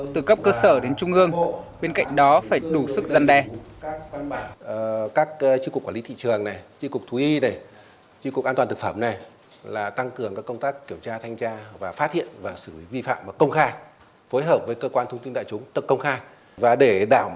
từ cấp cơ sở đến trung ương bên cạnh đó phải đủ sức gian đe